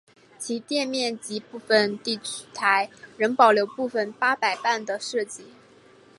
其店面及部份地台仍保留部份八佰伴的设计。